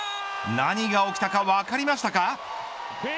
何が起きたか分かりましたか。